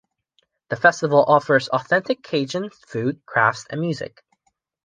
The festival offers authentic Cajun food, crafts, and music.